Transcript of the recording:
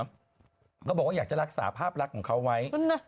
เขาบอกว่าอยากจะรักษาภาพลักษณ์ของเขาไว้